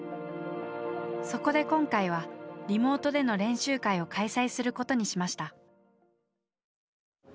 そこで今回はリモートでの練習会を開催することにしました。